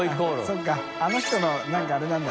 そうかあの人の何かあれなんだ。